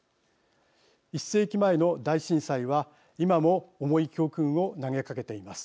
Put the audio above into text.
１世紀前の大震災は今も、重い教訓を投げかけています。